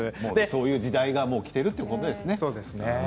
そういう時代がもうきているということですね。